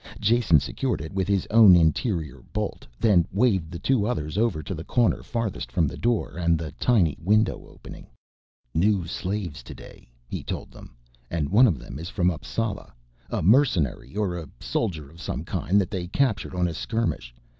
Jason secured it with his own interior bolt then waved the two others over to the corner farthest from the door and tiny window opening. "New slaves today," he told them, "and one of them is from Appsala, a mercenary or a soldier of some kind that they captured on a skirmish.